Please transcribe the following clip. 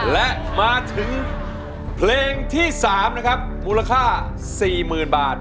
และมาถึงเพลงที่๓นะครับมูลค่า๔๐๐๐บาท